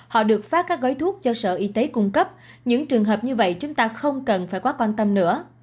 họ được phát các gói thuốc do sở y tế cung cấp những trường hợp như vậy chúng ta không cần phải quá quan tâm nữa